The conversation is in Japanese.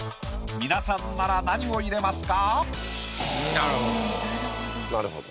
皆さんなら何を入れますか？